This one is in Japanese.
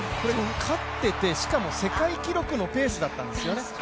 勝っててしかも世界記録のペースだったんですよね。